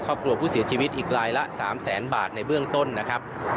ครอบครัวผู้เสียชีวิตอีกรายละ๓แสนบาทในเบื้องต้นนะครับ